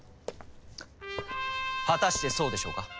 果たしてそうでしょうか？